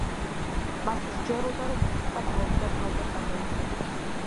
მას სჯეროდა, რომ მუსიკა თაობიდან თაობას გადაეცემა.